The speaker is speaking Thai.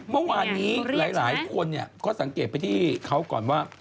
เมื่อวานนี้หลายคนก็สังเกตไปที่เขาก่อนว่า